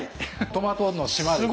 トマトの島ですね。